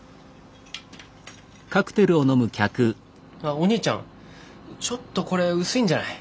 おにいちゃんちょっとこれ薄いんじゃない？